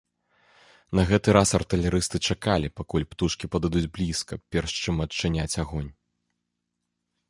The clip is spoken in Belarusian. На гэты раз артылерысты чакалі, пакуль птушкі падыдуць блізка, перш чым адчыняць агонь.